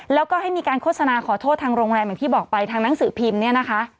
แล้วก็ให้มีการโฆษณาขอโทษทางโรงแรมอย่างที่บอกไปทางหนังสือพิมพ์เนี่ยนะคะ